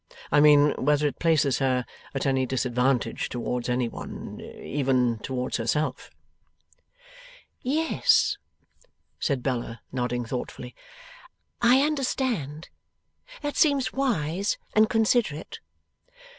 I mean whether it places her at any disadvantage towards any one, even towards herself.' 'Yes,' said Bella, nodding thoughtfully; 'I understand. That seems wise, and considerate.